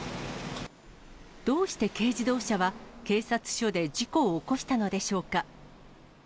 どうして軽自動車は警察署で事故を起こしたのでしょうか。